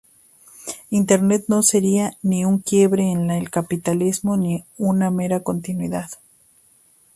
Internet no sería ni un quiebre en el capitalismo ni una mera continuidad.